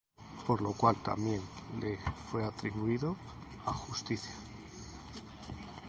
Por lo cual también le fué atribuído á justicia.